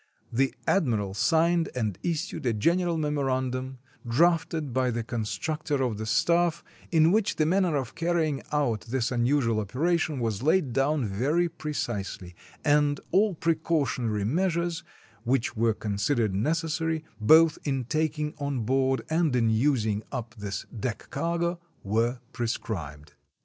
The admiral signed and issued a general memo randum, drafted by the constructor on the staff, in which the manner of carrying out this unusual operation was laid down very precisely, and all precautionary measures, which were considered necessary, both in taking on board and in using up this "deck cargo" were prescribed.